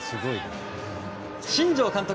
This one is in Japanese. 新庄監督